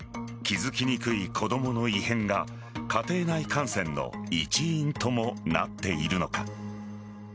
気付きにくい子供の異変が家庭内感染の一因ともなっているのか。